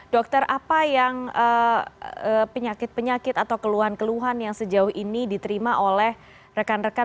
dokter apa yang penyakit penyakit atau keluhan keluhan yang sejauh ini diterima oleh rekan rekan